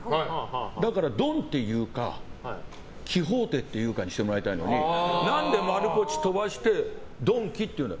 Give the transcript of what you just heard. だから、ドンって言うかキホーテって言うかにしてもらいたいのに何で丸ポチ飛ばしてドンキって言うの。